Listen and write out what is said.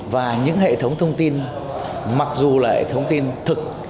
và những hệ thống thông tin mặc dù là hệ thống tin thực